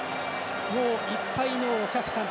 もういっぱいのお客さん。